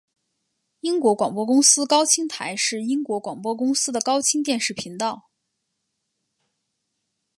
英国广播公司高清台是英国广播公司的高清电视频道。